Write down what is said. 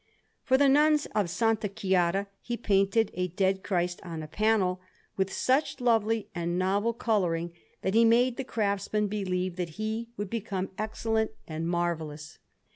For the Nuns of S. Chiara he painted a Dead Christ on a panel, with such lovely and novel colouring, that he made the craftsmen believe that he would become excellent and marvellous.